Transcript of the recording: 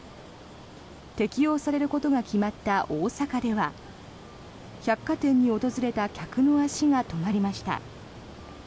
適用されることが決まった大阪では百貨店に訪れた客の足が止まりました。